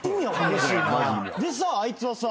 でさあいつはさ。